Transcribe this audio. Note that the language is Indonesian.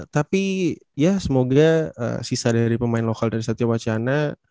tapi ya semoga sisa dari pemain lokal dari satya wacana